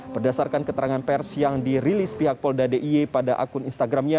berdasarkan keterangan pers yang dirilis pihak polda d i e pada akun instagramnya